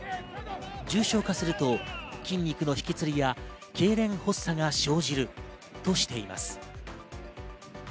重症化すると筋肉のひきつりやけいれん発作が生じるとしています。